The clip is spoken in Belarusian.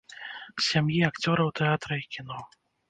З сям'і акцёраў тэатра і кіно.